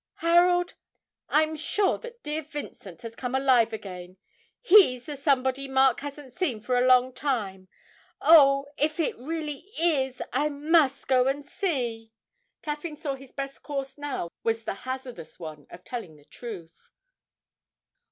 'Harold, I'm sure that dear Vincent has come alive again he's the somebody Mark hasn't seen for a long time.... Oh, if it really is ... I must go and see!' Caffyn saw his best course now was the hazardous one of telling the truth.